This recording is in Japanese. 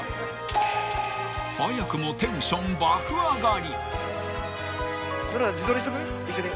［早くもテンション爆上がり］一緒に。